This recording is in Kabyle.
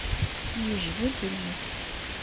Yejbed nnefs.